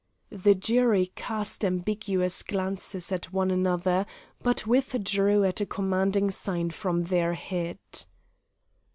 The jury cast ambiguous glances at one another, but withdrew at a commanding sign from their head.